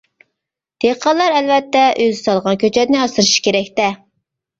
دېھقانلار ئەلۋەتتە ئۆزى سالغان كۆچەتنى ئاسرىشى كېرەكتە!